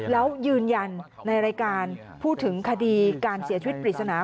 แล้วยืนยันในรายการพูดถึงคดีการเสียชีวิตปริศนา